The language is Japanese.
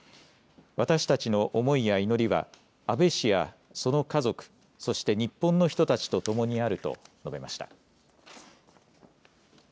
私たちの思いや祈りは安倍氏やその家族そして日本の人たちとともにあると述べました。